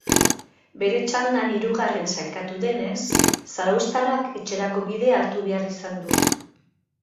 Bere txandan hirugarren saikatu denez zarauztarrak etxerako bidea hartu behar izan du.